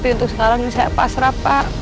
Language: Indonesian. untuk sekarang saya pasrah pak